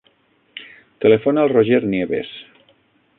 Telefona al Roger Nieves.